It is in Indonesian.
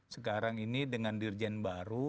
sekarang ini dengan dirjen baru